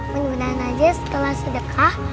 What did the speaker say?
menyudahkan aja setelah sedekah